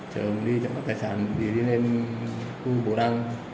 trở đi trộm các tài sản đi lên khu bồ đăng